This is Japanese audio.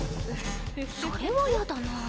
それはやだな。